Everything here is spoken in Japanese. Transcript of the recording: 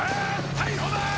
逮捕だー！